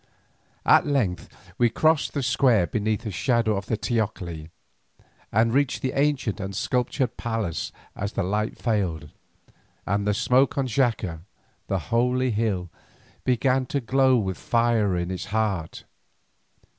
At length we crossed the square beneath the shadow of the teocalli, and reached the ancient and sculptured palace as the light failed, and the smoke on Xaca, the holy hill, began to glow with the fire in its heart.